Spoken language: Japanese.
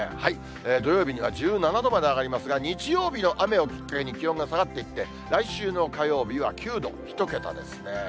土曜日には１７度まで上がりますが、日曜日の雨をきっかけに、気温が下がってきて、来週の火曜日は９度、１桁ですね。